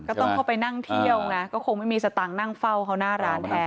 ก็ต้องเข้าไปนั่งเที่ยวไงก็คงไม่มีสตางค์นั่งเฝ้าเขาหน้าร้านแทน